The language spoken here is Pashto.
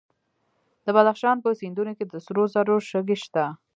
د بدخشان په سیندونو کې د سرو زرو شګې شته.